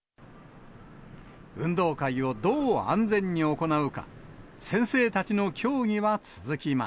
運動会をどう安全に行うか。